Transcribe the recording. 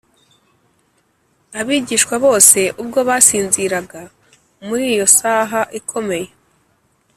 abigishwa bose ubwo basinziraga muri iyo saha ikomeye,